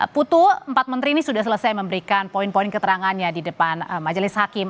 putu empat menteri ini sudah selesai memberikan poin poin keterangannya di depan majelis hakim